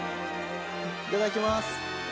いただきます！